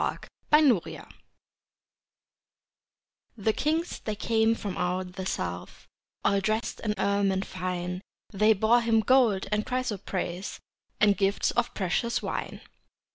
Christmas Carol The kings they came from out the south, All dressed in ermine fine, They bore Him gold and chrysoprase, And gifts of precious wine.